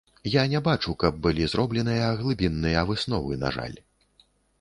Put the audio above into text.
Я не бачу, каб былі зробленыя глыбінныя высновы, на жаль.